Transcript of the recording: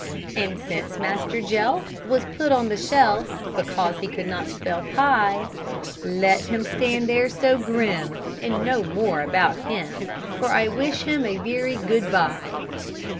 And since Master Jelf Was put on the shelf Because he could not spell "pie," Let him stand there so grim, And no more about him, For I wish him a very good bye!